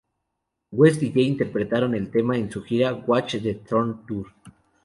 West y Jay interpretaron el tema en su gira Watch the Throne Tour.